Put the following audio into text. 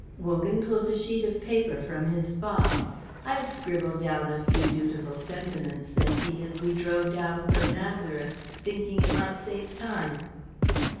Wogan pulled a sheet of paper from his fob. "I scribbled down a few dutiful sentiments," said he, "as we drove down from Nazareth, thinking it might save time."